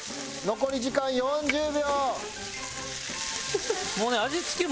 残り時間４０秒！